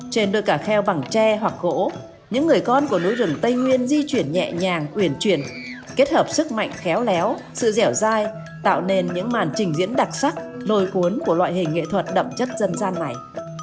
trên đôi cả kheo bằng tre hoặc gỗ những người con của núi rừng tây nguyên di chuyển nhẹ nhàng quyển chuyển kết hợp sức mạnh khéo léo sự dẻo dai tạo nên những màn trình diễn đặc sắc nồi cuốn của loại hình nghệ thuật đậm chất dân gian này